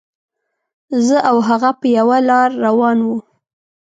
زه او هغه په یوه لاره روان وو.